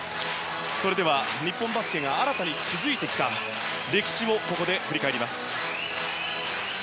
それでは、日本バスケが新たに築いてきた歴史をここで振り返ります。